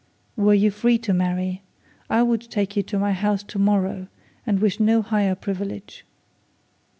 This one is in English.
'Were you free to marry, I would take you to my house to morrow and wish no higher privilege.'